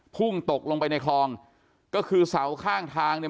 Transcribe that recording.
พุ่งตกลงไปในคลองก็คือเสาข้างทางเนี่ย